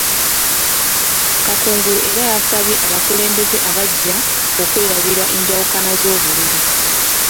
Kakungulu era yasabye abakulembeze abaggya okwerabira enjawukana z'obululu